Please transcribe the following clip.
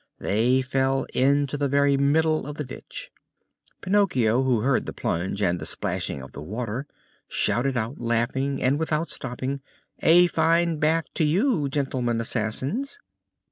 they fell into the very middle of the ditch. Pinocchio, who heard the plunge and the splashing of the water, shouted out, laughing, and without stopping: "A fine bath to you, gentleman assassins."